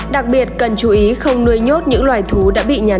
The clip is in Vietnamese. đặc biệt cần chú ý không nuôi nhốt những loài thú đã bị nhà nước cấm vận chuyển buôn bán